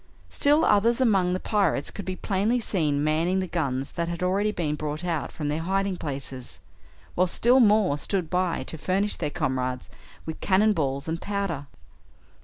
Still others among the pirates could be plainly seen manning the guns that had already been brought out from their hiding places, while still more stood by to furnish their comrades with cannon balls and powder.